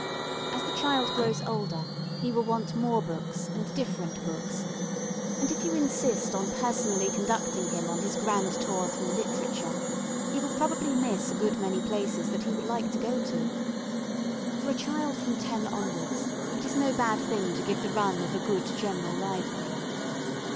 As the child grows older he will want more books, and different books and if you insist on personally conducting him on his grand tour through literature he will probably miss a good many places that he would like to go to. For a child from ten onwards it is no bad thing to give the run of a good general library.